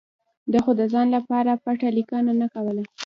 ده خو د ځان لپاره پټه لیکنه نه کوله.